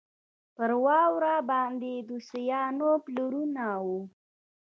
پر واوره باندې د سویانو پلونه وو.